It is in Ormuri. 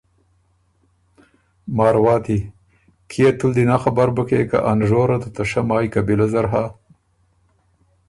مارواتی: کيې تُو دی نک خبر بُکې که ا نژور ات ته شۀ مای قبیلۀ زر هۀ؟